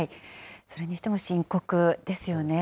それにしても深刻ですよね。